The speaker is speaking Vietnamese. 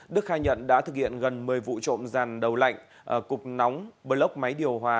đức khai nhận đã thực hiện gần một mươi vụ trộm ràn đầu lạnh cục nóng block máy điều hòa